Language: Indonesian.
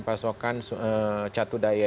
pasokan catu daya